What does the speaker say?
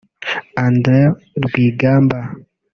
Andrew Rwigamba